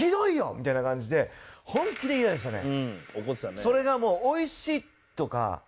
みたいな感じで本気でイライラしたね。